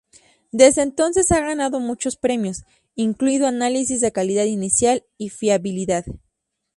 Desde entonces ha ganado muchos premios, incluido análisis de calidad inicial y fiabilidad.